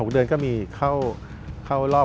๖เดือนก็มีเข้ารอบ